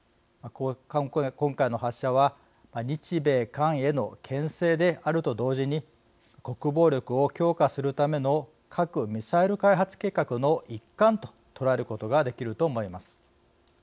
今回の発射は日米韓へのけん制であると同時に国防力を強化するための核・ミサイル開発計画の一環と捉えることができると思います。